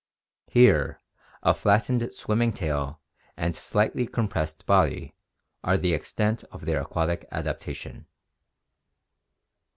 Here a flattened swimming tail and slightly compressed body are the extent of their aquatic adaptation.